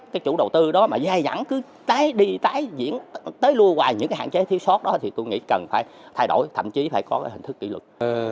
cái chủ đầu tư đó mà gia dẫn cứ tái đi tái diễn tới lưu hoài những cái hạn chế thiếu sót đó thì tôi nghĩ cần phải thay đổi thậm chí phải có cái hình thức kỷ lực